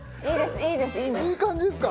いい感じですか？